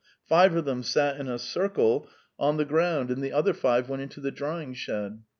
Five of them sat in a circle on the ground, and the other five went into the drying shed.